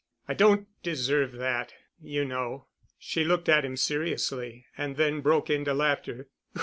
I don't deserve that, you know." She looked at him seriously and then broke into laughter.